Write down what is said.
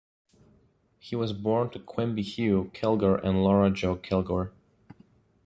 He was born to Quimby Hugh Kilgore and Laura Jo Kilgore.